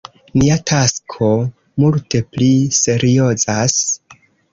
Nia tasko multe pli seriozas!